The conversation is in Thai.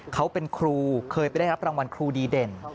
เขาเป็นครูเคยไปได้รับรางวัลครูดีเด่น